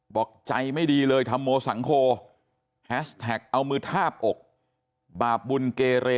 บอกใจไม่ดีเลยธรรมโมสังโคแฮชแท็กเอามือทาบอกบาปบุญเกเร